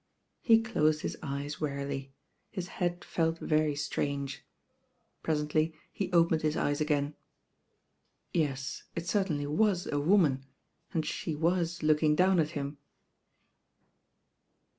He closed his eyes wearily. His head felt very strange. Presently he opened his eyes again. Yes; it cer tainly was a woman, and she was looking down at him.